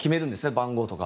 番号とか。